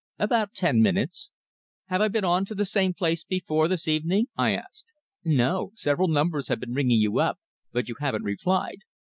"About ten minutes." "Have I been on to the same place before this evening?" I asked. "No. Several numbers have been ringing you up, but you haven't replied."